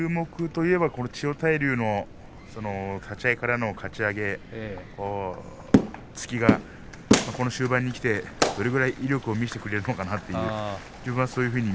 千代大龍の立ち合いからのかち上げ、突きがこの終盤にきてどれぐらい威力を見せてくれるのかなと思います。